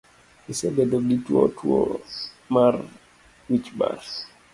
Isebedo gituo tuo mar wich bar?